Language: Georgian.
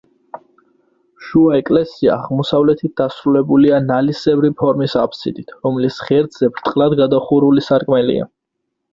შუა ეკლესია აღმოსავლეთით დასრულებულია ნალისებრი ფორმის აფსიდით, რომლის ღერძზე ბრტყლად გადახურული სარკმელია.